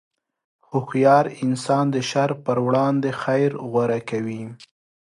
هوښیار انسان د شر پر وړاندې خیر غوره کوي.